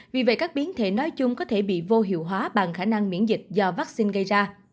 vì vậy các biến thể nói chung có thể bị vô hiệu hóa bằng khả năng miễn dịch do vaccine gây ra